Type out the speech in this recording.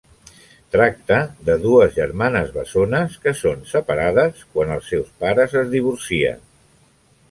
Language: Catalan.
Tracta de dues germanes bessones que són separades quan els seus pares es divorcien.